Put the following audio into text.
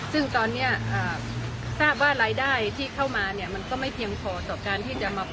ซึ่งตอนนี้ทราบว่ารายได้ที่เข้ามาเนี่ยมันก็ไม่เพียงพอต่อการที่จะมา